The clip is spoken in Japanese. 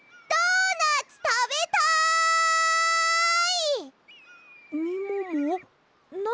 ドーナツたべたい。